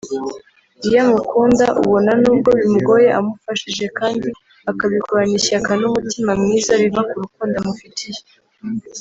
iyo amukunda ubona nubwo bimugoye amufashije kandi akabikorana ishyaka n’umutima mwiza biva ku rukundo amufitiye